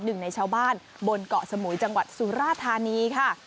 หนึ่งในชาวบ้านบนเกาะสมุยจังหวัดสุราธานีค่ะ